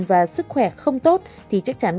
và sức khỏe không tốt thì chắc chắn